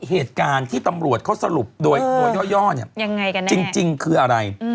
เหตุการณ์ที่ตำรวจเขาสรุปโดยย่อเนี่ยจริงคืออะไร